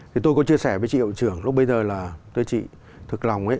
thì tôi có chia sẻ với chị hậu trưởng lúc bây giờ là tới chị thực lòng ấy